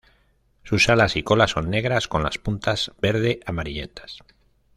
Sus alas y cola son negras con las puntas verde amarillentas.